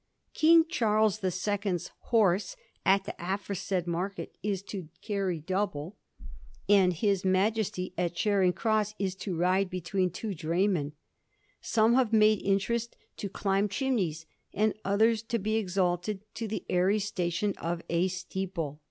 King Charles the Second's horse at the aforesaid market is to carry double, and His Digiti zed by Google 1714 THE ENTRY INTO LONDON. 77 Majesty at Charing Cross is to ride between two draymen. Some have made interest to climb chim neys, and others to be exalted to the airy station of a steeple.'